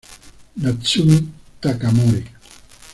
Natsumi Takamori